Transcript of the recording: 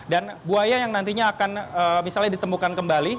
dan buaya yang nantinya akan misalnya ditemukan kembali